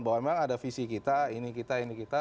bahwa memang ada visi kita ini kita ini kita